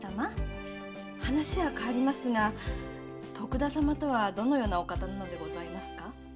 話は変わりますが徳田様とはどのようなお方なのでございますか？